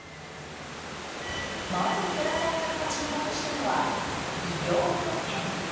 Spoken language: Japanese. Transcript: まず、寺澤さんが注目したのは医療保険。